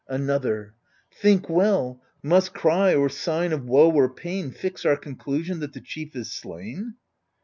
Another Think well — must cry or sign of woe or pain Fix our conclusion that the chief is slain